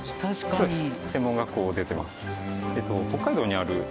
そうですね。